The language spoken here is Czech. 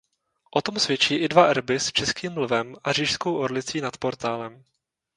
O tom svědčí i dva erby s českým lvem a říšskou orlicí nad portálem.